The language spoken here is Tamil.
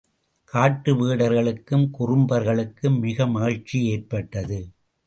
காட்டு வேடர்களுக்கும் குறும்பர்களுக்கும் மிக்க மகிழ்ச்சி ஏற்பட்டது.